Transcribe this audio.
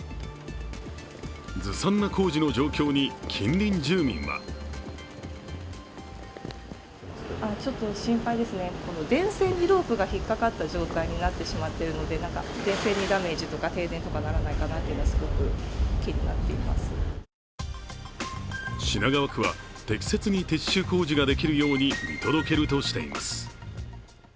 ずさんな工事の状況に近隣住民は品川区は適切に撤収工事ができるように見届けるとしています。